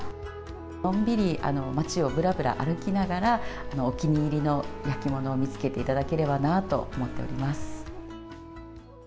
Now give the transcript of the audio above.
のんびり町をぶらぶら歩きながら、お気に入りの焼き物を見つけていただければなと思っております。